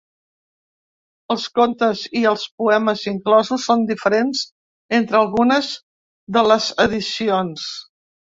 Els contes i els poemes inclosos són diferents entre algunes de les edicions.